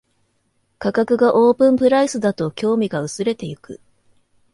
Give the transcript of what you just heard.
価格がオープンプライスだと興味が薄れていく